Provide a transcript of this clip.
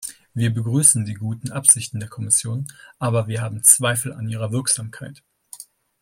Wir begrüßen die guten Absichten der Kommission, aber wir haben Zweifel an ihrer Wirksamkeit.